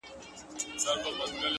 نو زنده گي څه كوي;